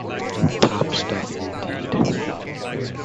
Top stuff indeed.